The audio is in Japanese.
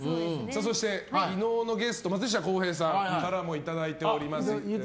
そして、昨日のゲスト松下洸平さんからもいただいております。